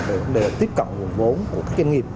về vấn đề tiếp cận nguồn vốn của các doanh nghiệp